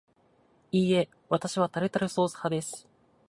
いいえ、わたしはタルタルソース派です